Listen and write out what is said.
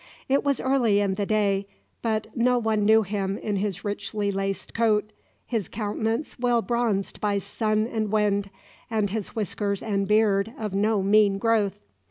It was early in the day, but no one knew him in his richly laced coat, his countenance well bronzed by sun and wind, and his whiskers and beard of no mean growth.